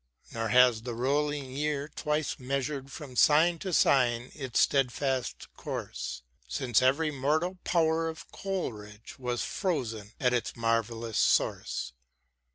Nor has the roUing year twice measur'd From sign to sign its steadfast course, Since every mortal power of Coleridge Was frozen at its marvellous source.